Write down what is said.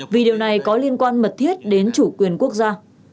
vì điều này có liên quan mật thiết đến chủ quyền quốc gia